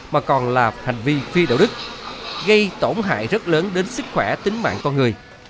mà còn là hành vi phi đạo đức gây tổn hại rất lớn đến sức khỏe tính mạng con người